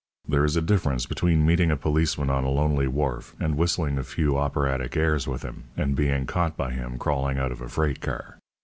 There is a difference between meeting a policeman on a lonely wharf and whistling a few operatic airs with him, and being caught by him crawling out of a freight car.